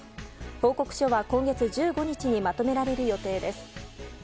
報告書は今月１５日にまとめられる予定です。